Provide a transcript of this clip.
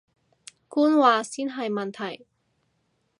官話先係問題